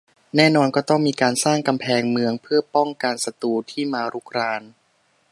แน่นอนก็ต้องมีการสร้างกำแพงเมืองเผื่อป้องกันศัตรูที่มารุกราน